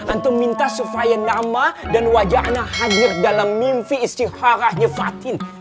antum minta supaya nama dan wajah ana hadir dalam mimpi istiharahnya fatin